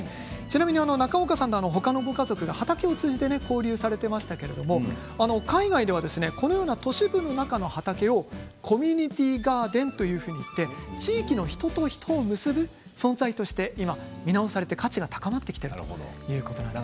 ちなみに中岡さんと他のご家族が畑を通じて交流されていましたが海外ではこのような都市部の中の畑をコミュニティ・ガーデンといって地域の人と人を結ぶ存在として今、見直されて価値が高まってきているということです。